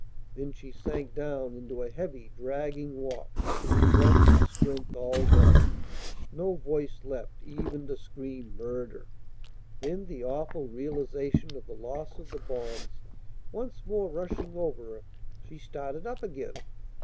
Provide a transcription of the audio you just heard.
Then she sank down into a heavy, dragging walk, breath and strength all gone, no voice left even to scream "murder!" Then, the awful realization of the loss of the bonds once more rushing over her, she started up again.